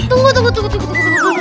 tunggu tunggu tunggu